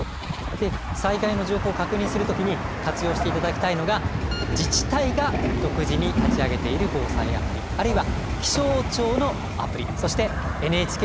災害の情報を確認する時に活用していただきたいのが自治体が独自に立ち上げている防災アプリあるいは気象庁のアプリそしてＮＨＫの防災アプリ